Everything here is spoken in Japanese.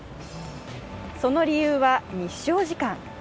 その理由は、日照時間。